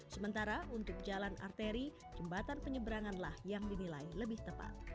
sementara untuk jalan arteri jembatan penyeberangan lah yang dinilai lebih tepat